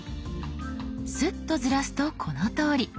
スッとずらすとこのとおり。